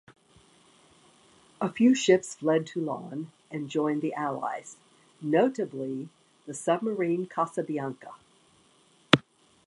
A few ships fled Toulon and joined the Allies, notably the submarine "Casabianca".